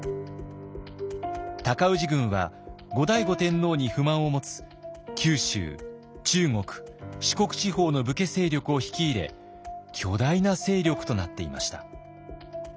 尊氏軍は後醍醐天皇に不満を持つ九州中国四国地方の武家勢力を引き入れ巨大な勢力となっていました。